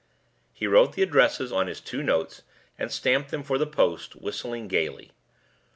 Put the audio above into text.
He wrote the addresses on his two notes, and stamped them for the post, whistling gayly.